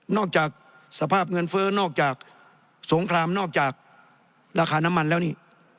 จากสภาพเงินเฟ้อนอกจากสงครามนอกจากราคาน้ำมันแล้วนี่